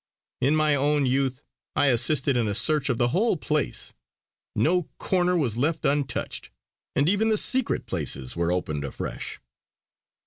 In my own youth I assisted in a search of the whole place; no corner was left untouched, and even the secret places were opened afresh."